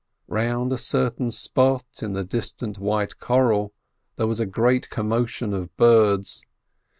Round a certain spot on the distant white coral there was a great commotion of birds.